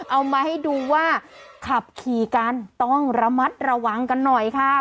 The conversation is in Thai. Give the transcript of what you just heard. เอามาให้ดูว่าขับขี่กันต้องระมัดระวังกันหน่อยค่ะ